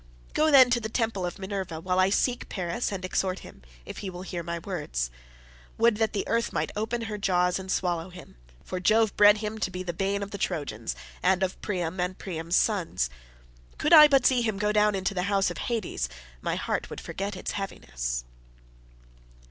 Go, then, to the temple of Minerva, while I seek Paris and exhort him, if he will hear my words. Would that the earth might open her jaws and swallow him, for Jove bred him to be the bane of the Trojans, and of Priam and Priam's sons. Could I but see him go down into the house of Hades, my heart would forget its heaviness."